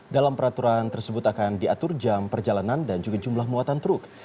dalam peraturan tersebut akan diatur jam perjalanan dan juga jumlah muatan truk